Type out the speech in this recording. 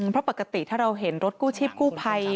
เพราะปกติถ้าเราเห็นรถกู้ชีพกู้ภัย